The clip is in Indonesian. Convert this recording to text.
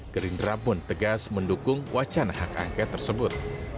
gerindra pun tegas mendukung wacana hak angket tersebut